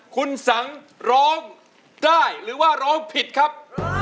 คุณสังร้องได้หรือว่าร้องผิดครับ